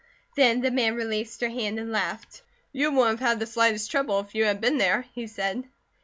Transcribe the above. Then the man released her hand and laughed. "You wouldn't have had the slightest trouble, if you had been there," he said.